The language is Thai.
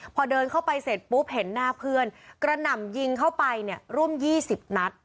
พอเดินเข้าไปเสร็จปุ๊บเห็นหน้าเพื่อนกระหน่ำยิงเข้าไปเนี่ยร่วม๒๐นัด